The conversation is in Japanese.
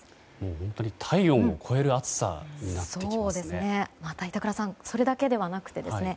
本当に体温を超える暑さになってきますね。